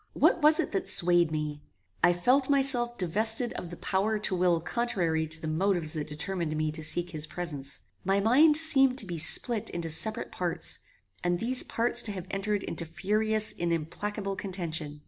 What was it that swayed me? I felt myself divested of the power to will contrary to the motives that determined me to seek his presence. My mind seemed to be split into separate parts, and these parts to have entered into furious and implacable contention.